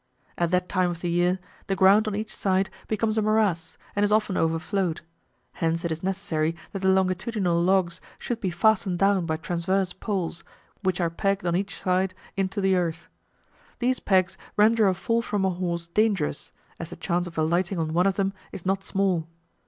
At that time of the year, the ground on each side becomes a morass, and is often overflowed: hence it is necessary that the longitudinal logs should be fastened down by transverse poles, which are pegged on each side into the earth. These pegs render a fall from a horse dangerous, as the chance of alighting on one of them is not small.